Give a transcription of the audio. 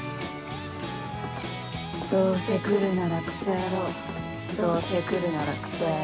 どうせ来るならクソ野郎どうせ来るならクソ野郎。